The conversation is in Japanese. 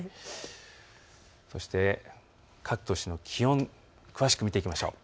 そして各都市の気温を詳しく見ていきましょう。